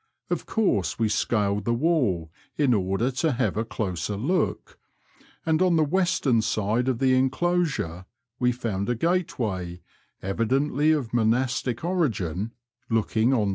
Of course we scaled the wall in order to have a closer look, and on the western side of the enclosure we found a gateway, evidently of monastic origin, looking on to a road.